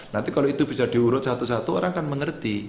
nanti kalau itu bisa diurut satu satu orang akan mengerti